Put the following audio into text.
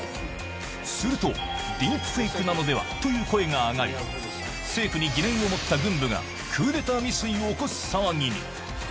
すると、ディープフェイクなのではという声が上がり、政府に疑念を持った軍部が、クーデター未遂を起こす騒ぎに。